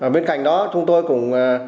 bên cạnh đó chúng tôi cũng